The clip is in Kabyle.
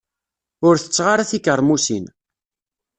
Ur tetteɣ ara tikermusin.